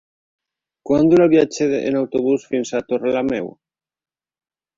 Quant dura el viatge en autobús fins a Torrelameu?